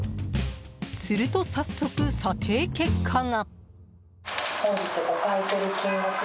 すると早速、査定結果が。